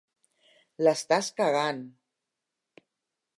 L'estàs cagant!